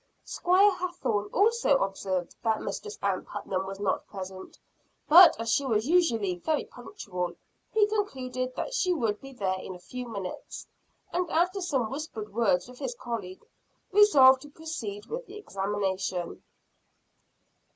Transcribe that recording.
Squire Hathorne also observed that Mistress Ann Putnam was not present; but, as she was usually very punctual, he concluded that she would be there in a few minutes, and after some whispered words with his colleague, resolved to proceed with the examination.